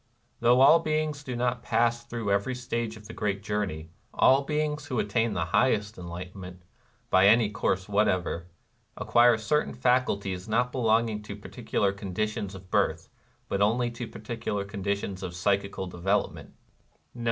Though all beings do not pass through every stage of the great journey, all beings who attain to the highest enlightenment, by any course whatever, acquire certain faculties not belonging to particular conditions of birth, but only to particular conditions of psychical development.